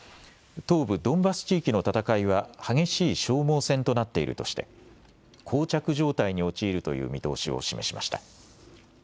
東部ドンバス地域の戦いは、激しい消耗戦となっているとして、こう着状態に陥るという見通しを示しました。